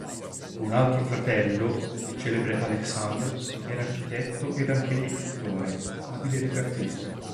Un altro fratello, il celebre Aleksandr, era architetto ed anch'egli pittore, abile ritrattista.